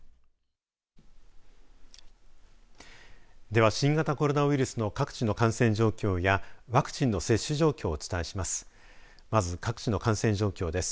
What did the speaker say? では新型コロナウイルスの各地の感染状況やワクチンの接種状況をお伝えします。